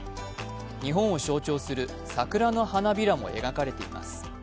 日本を象徴する桜の花びらも描かれています。